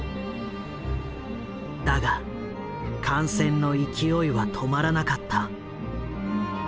だが感染の勢いは止まらなかった。